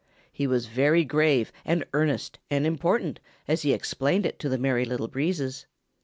He was very grave and earnest and important as he explained it to the Merry Little Breezes.